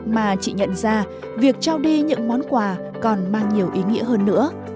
mà chị nhận ra việc trao đi những món quà còn mang nhiều ý nghĩa hơn nữa